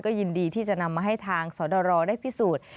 ยินดีที่จะนำมาให้ทางสรได้พิสูจน์